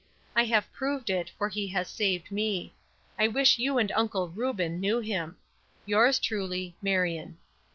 I have proved it, for he has saved me. I wish you and Uncle Reuben knew him. "Yours truly, MARION."